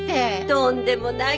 とんでもない。